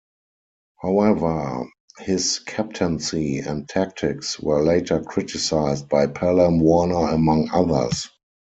However, his captaincy and tactics were later criticised, by Pelham Warner among others.